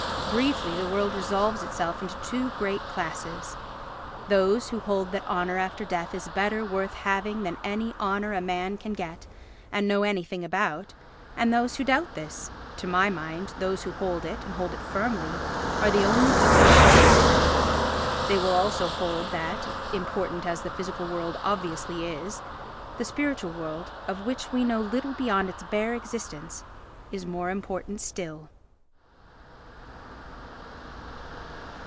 Briefly, the world resolves itself into two great classes—those who hold that honour after death is better worth having than any honour a man can get and know anything about, and those who doubt this; to my mind, those who hold it, and hold it firmly, are the only people worth thinking about. They will also hold that, important as the physical world obviously is, the spiritual world, of which we know little beyond its bare existence, is more important still.